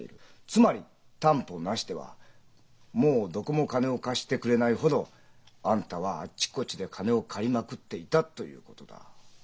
つまり担保なしではもうどこも金を貸してくれないほどあんたはあっちこっちで金を借りまくっていたということだ。